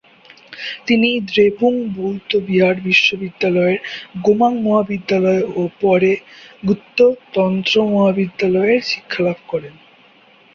তিনি দ্রেপুং বৌদ্ধবিহার বিশ্ববিদ্যালয়ের গোমাং মহাবিদ্যালয়ে ও পরে গ্যুতো তন্ত্র মহাবিদ্যালয়ে শিক্ষালাভ করেন।